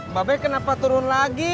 mbak bei kenapa turun lagi